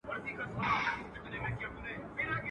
د شپې هر سړى بېرېږي، څوک حال وايي، څوک ئې نه وايي.